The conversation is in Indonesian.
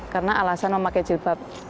karena alasan memakai jilbab